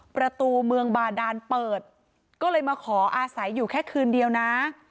ประตูเมืองบาดานเปิดก็เลยมาขออาศัยอยู่แค่คืนเดียวนะ